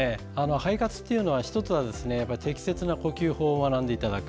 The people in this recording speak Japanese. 肺活というのは１つは適切な呼吸法を学んでいただく。